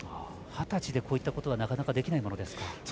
二十歳でこういったことはなかなかできないものですか。